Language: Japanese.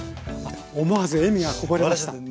思わず笑みがこぼれました。